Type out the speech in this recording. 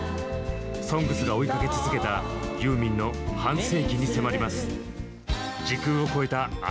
ＳＯＮＧＳが追いかけ続けた、ユーミンの半世紀に迫ります。